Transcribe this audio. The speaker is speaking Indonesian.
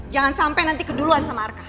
jangan sampai nanti keduluan sama arka